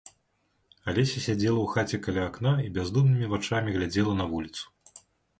Алеся сядзела ў хаце каля акна і бяздумнымі вачамі глядзела на вуліцу.